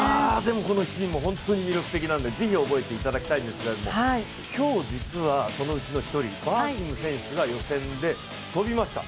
この７人も本当に魅力的なので是非覚えてほしいんですが今日、実はそのうちの１人バーシム選手が予選で跳びました。